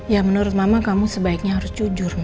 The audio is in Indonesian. ya menurut mama kamu sebaiknya harus jujur